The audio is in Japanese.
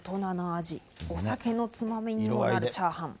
お酒のつまみにもなるチャーハン。